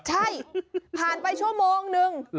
ใช่ผ่านไปชั่วโมงนึง